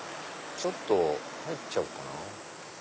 ちょっと入っちゃおうかな。